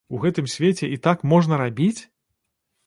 У гэтым свеце і так можна рабіць?!